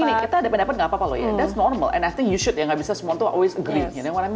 ini kita ada pendapat nggak apa apa loh ya that's normal and i think you should ya nggak bisa semua untuk always agree